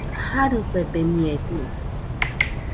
Jarɨfebemɨedɨo